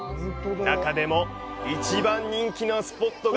中でも一番人気なスポットが。